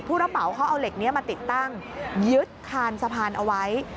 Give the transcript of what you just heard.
ระเป๋าเขาเอาเหล็กนี้มาติดตั้งยึดคานสะพานเอาไว้